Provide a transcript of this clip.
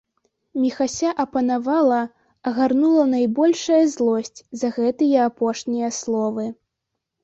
Міхася апанавала, агарнула найбольшая злосць за гэтыя апошнія словы.